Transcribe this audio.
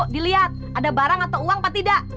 dilihat ada barang atau uang apa tidak